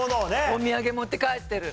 お土産持って帰ってる。